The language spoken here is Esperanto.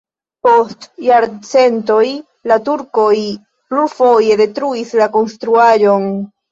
Post jarcentoj la turkoj plurfoje detruis la konstruaĵon.